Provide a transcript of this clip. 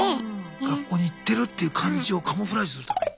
学校に行ってるっていう感じをカモフラージュするために？